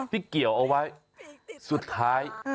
เกี่ยวเอาไว้สุดท้าย